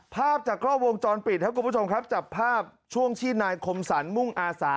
ภาพจากกล้องวงจรปิดครับคุณผู้ชมครับจับภาพช่วงที่นายคมสรรมุ่งอาสา